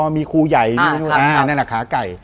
มีครูใหญ่นั่นแหละขาไก่